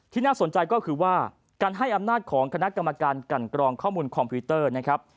น่าสนใจก็คือว่าการให้อำนาจของคณะกรรมการกันกรองข้อมูลคอมพิวเตอร์นะครับ